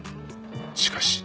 しかし